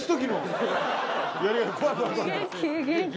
元気？